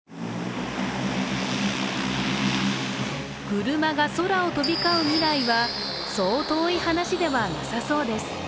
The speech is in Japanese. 車が空を飛び交う未来はそう遠い話ではなさそうです。